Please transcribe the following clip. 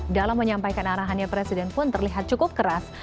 dalam menyampaikan arahannya presiden pun terlihat cukup keras